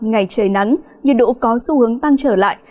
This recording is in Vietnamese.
ngày trời nắng nhiệt độ có xu hướng tăng trở lại